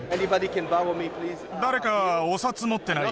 誰かお札持ってない？